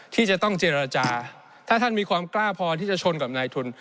ที่จะต้องเจรจาถ้าท่านมีความกล้าพอที่จะชนกับนายทุน